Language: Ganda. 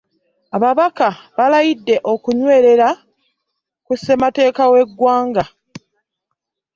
Ababaka balayidde okunywerera ku ssemateeka w'eggwanga